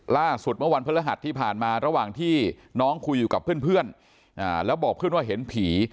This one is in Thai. ล่าสุดเมื่อวันพฤหัสที่ผ่านมาระหว่างที่น้องคุยอยู่กับเพื่อนแล้วบอกเพื่อนว่าเห็นผี